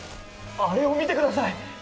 あれを見てください